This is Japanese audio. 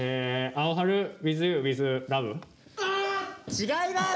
違います！